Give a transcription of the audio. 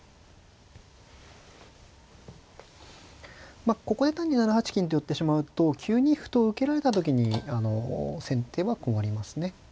まあここで単に７八金と寄ってしまうと９二歩と受けられた時にあの先手は困りますね。